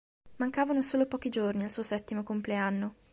Mancavano solo pochi giorni al suo settimo compleanno.